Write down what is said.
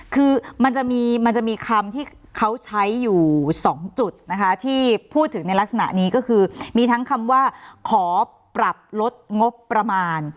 คือมันจะมีคำที่เขาใช้อยู่๒จุดนะคะที่พูดถึงในลักษณะนี้ก็คือมีทั้งคำว่าขอปรับลดงบประมาณ